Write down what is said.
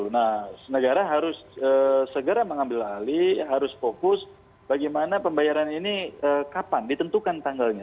nah negara harus segera mengambil alih harus fokus bagaimana pembayaran ini kapan ditentukan tanggalnya